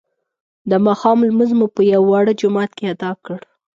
د ماښام لمونځ مو په یوه واړه جومات کې ادا کړ.